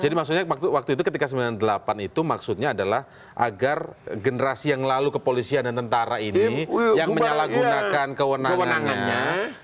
maksudnya waktu itu ketika sembilan puluh delapan itu maksudnya adalah agar generasi yang lalu kepolisian dan tentara ini yang menyalahgunakan kewenangannya